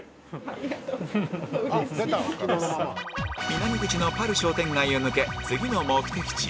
南口のパル商店街を抜け次の目的地へ